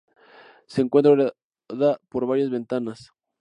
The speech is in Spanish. Se encuentra horadada por varias ventanas.